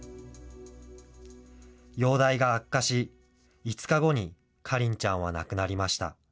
容体が悪化し、５日後に花梨ちゃんは亡くなりました。